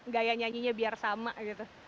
gaya nyanyinya biar sama gitu